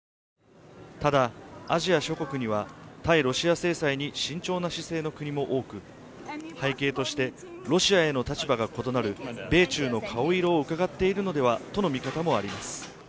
ただアジア諸国には対ロシア制裁に慎重な姿勢の国も多く、背景としてロシアへの立場が異なる米中の顔色をうかがっているのではとの見方もあります。